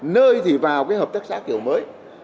nơi thì vào cái hợp tác xã kiểu mới